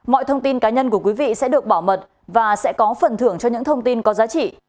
mọi thông tin cá nhân của quý vị sẽ được bảo mật và sẽ có phần thưởng cho những thông tin có giá trị